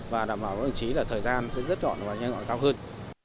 và đảm bảo các đồng chí là thời gian sẽ rất gọn và nhanh gọn cao hơn